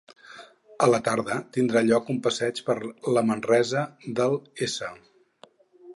A la tarda, tindrà lloc un passeig per la Manresa del s.